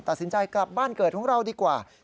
ตัดสินใจกลับบ้านเกิดของเราดีกว่า